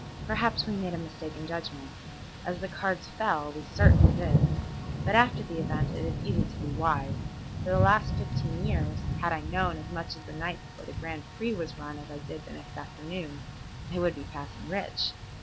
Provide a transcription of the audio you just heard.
Perhaps we made a mistake in judgment. As the cards fell, we certainly did. But after the event it is easy to be wise. For the last fifteen years, had I known as much the night before the Grand Prix was run as I did the next afternoon, I would be passing rich.